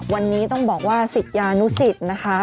วันนี้ต้องบอกว่าศิษยานุสิตนะคะ